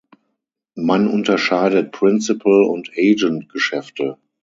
Man unterscheidet Principal- und Agent-Geschäfte.